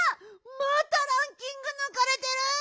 またランキングぬかれてる！